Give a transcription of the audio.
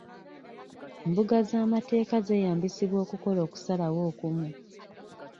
Embuga z'amateeka zeeyambisibwa okukola okusalawo okumu.